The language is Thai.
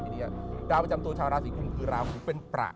ราวประจำตัวชาวราศรีกุมคือราหุเป็นประ